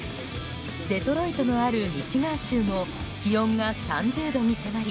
デトロイトのあるミシガン州も気温が３０度に迫り